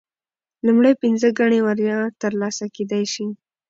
لومړۍ پنځه ګڼې وړیا ترلاسه کیدی شي.